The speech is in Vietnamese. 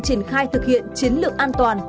triển khai thực hiện chiến lược an toàn